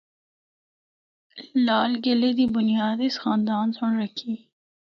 لال قلعے دی بنیاد اس خاندان سنڑ رکھی۔